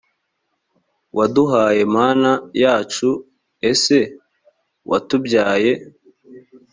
waduhaye mana yacu ese watubyaye